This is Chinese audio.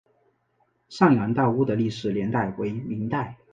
上洋大屋的历史年代为明代。